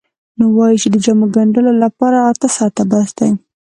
نو وایي چې د جامو ګنډلو لپاره اته ساعته بس دي.